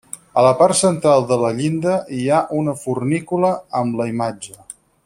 A la part central de la llinda hi ha una fornícula amb la imatge.